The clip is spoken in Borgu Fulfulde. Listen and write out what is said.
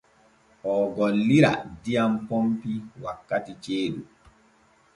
Oo gollira diyam pompi wakkati ceeɗu.